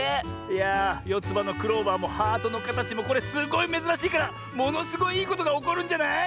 いやあよつばのクローバーもハートのかたちもこれすごいめずらしいからものすごいいいことがおこるんじゃない？